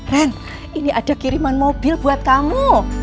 ren ini ada kiriman mobil buat kamu